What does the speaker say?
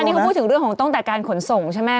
นี่เขาพูดถึงเรื่องของตั้งแต่การขนส่งใช่ไหม